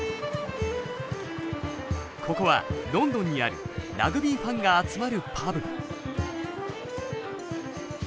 ここはロンドンにあるラグビーファンが集まるパブ。